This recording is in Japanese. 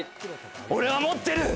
俺は持ってる！